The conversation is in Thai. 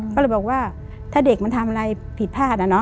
ก็เลยบอกว่าถ้าเด็กมันทำอะไรผิดพลาดอะเนาะ